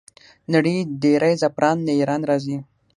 د نړۍ ډیری زعفران له ایران راځي.